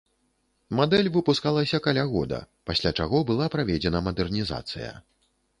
Мадэль выпускалася каля года, пасля чаго была праведзена мадэрнізацыя.